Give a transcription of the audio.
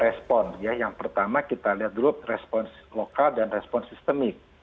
respon ya yang pertama kita lihat dulu respons lokal dan respon sistemik